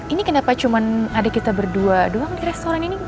ini kenapa cuma adik kita berdua doang di restoran ini